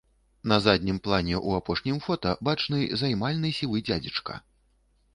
На заднім плане ў апошнім фота бачны займальны сівы дзядзечка.